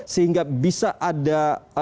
sehingga bisa ada